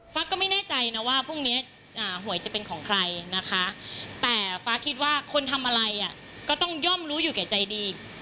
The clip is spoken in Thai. ฟ้าก็ไม่แน่ใจนะว่าพรุ่งนี้หวยจะเป็นของใครนะคะแต่ฟ้าคิดว่าคนทำอะไรก็ต้องย่อมรู้อยู่แก่ใจดี